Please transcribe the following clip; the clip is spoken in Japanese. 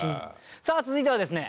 さあ続いてはですね